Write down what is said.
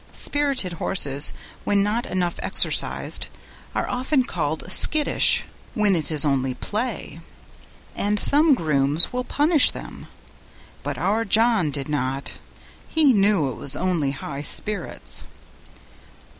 Spirited horses, when not enough exercised, are often called skittish, when it is only play; and some grooms will punish them, but our John did not; he knew it was only high spirits.